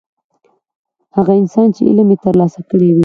هغه انسان چې علم یې ترلاسه کړی وي.